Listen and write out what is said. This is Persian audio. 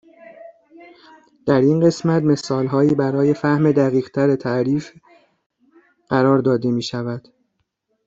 در این قسمت مثالهایی برای فهم دقیق تر تعریف قرار داده میشود